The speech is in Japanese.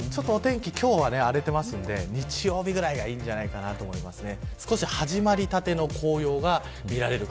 お天気、今日は荒れてますので日曜日くらいがいいんじゃないかなと思いますね。